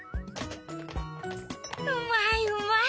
うまいうまい。